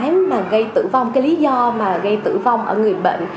nếu mà gây tử vong cái lý do mà gây tử vong ở người bệnh